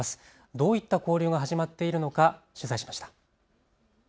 どういった交流が始まっているのか取材しました。